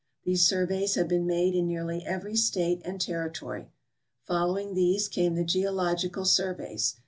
These surveys have been made in nearly every state and territory. Following these came the geological sur veys.